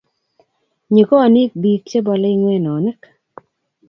nyikonik biik chebolei ng'wenonik